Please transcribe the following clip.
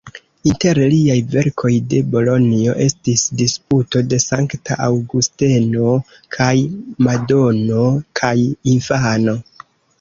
Inter liaj verkoj de Bolonjo estis "Disputo de Sankta Aŭgusteno" kaj "Madono kaj infano".